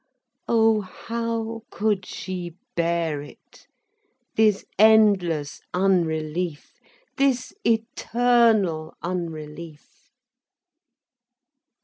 Oh, how could she bear it, this endless unrelief, this eternal unrelief.